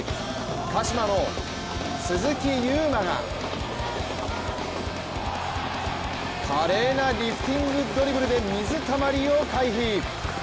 鹿島の鈴木優磨が華麗なリフティングドリブルで水たまりを回避。